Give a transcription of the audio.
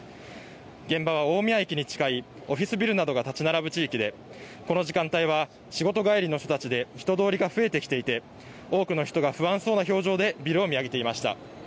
現場は大宮駅に近いオフィスビルなどが建ち並ぶ地域でこの時間帯は仕事帰りの人たちで人通りが増えてきていて多くの人が不安そうな表情でビルを見上げていました。